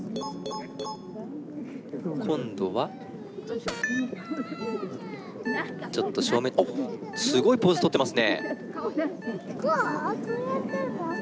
今度はちょっと正面おっすごいポーズとってますね。